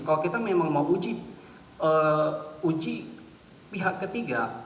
kalau kita memang mau uji pihak ketiga